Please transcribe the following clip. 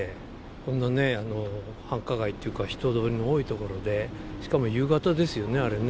こんなね、繁華街っていうか人通りの多い所で、しかも夕方ですよね、あれね。